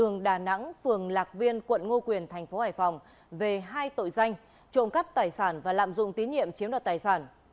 ngô quyền tp hải phòng về hai tội danh trộm cắp tài sản và lạm dụng tín nhiệm chiếm đoạt tài sản